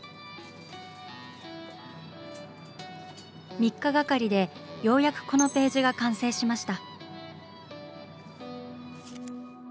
３日がかりでようやくこのページが完成しました。